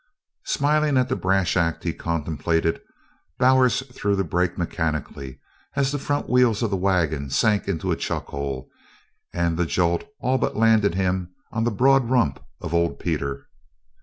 Smiling at the brash act he contemplated, Bowers threw the brake mechanically as the front wheels of the wagon sank into a chuck hole and the jolt all but landed him on the broad rump of Old Peter.